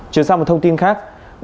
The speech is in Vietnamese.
trước sau một thông tin khác